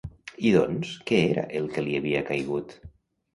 I doncs, què era el que li havia caigut?